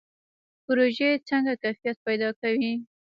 پروژې څنګه کیفیت پیدا کوي؟